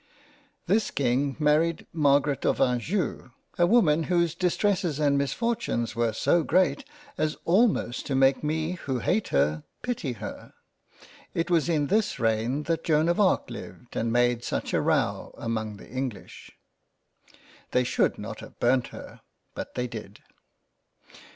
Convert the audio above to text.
This King married Margaret of Anjou, a Woman whose distresses and misfortunes were so great as almost to make me who hate her, pity her. It was in this reign that Joan of Arc lived and made such a row among the English. They should not have burnt her — but they did.